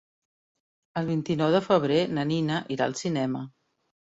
El vint-i-nou de febrer na Nina irà al cinema.